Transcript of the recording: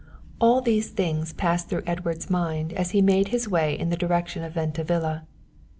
All these things passed through Edward's mind as he made his way in the direction of Venta Villa.